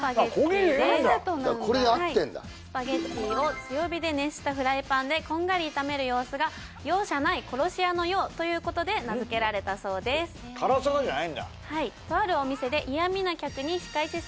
これで合ってんだスパゲッティを強火で熱したフライパンでこんがり炒める様子が容赦ない殺し屋のようということで名付けられたそうです辛さがじゃないんだ？